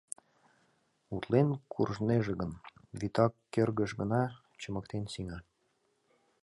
Утлен куржнеже гын, вӱта кӧргыш гына чымыктен сеҥа.